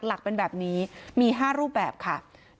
หลักเป็นแบบนี้มี๕รูปแบบค่ะ